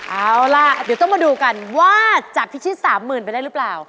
เอาล่ะเดี๋ยวต้องมาดูกันว่าจับที่ชิ้นสามหมื่นไปได้หรือเปล่า